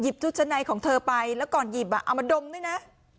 หยิบจุดชะในของเธอไปแล้วก่อนหยิบอ่ะเอามาดมด้วยนะ